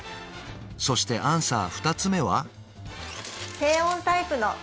そしてアンサー２つ目は？